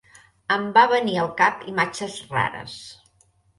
Em van venir al cap imatges rares.